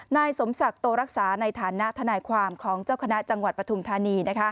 นายสมศักดิ์โตรักษาในฐานะทนายความของเจ้าคณะจังหวัดปฐุมธานี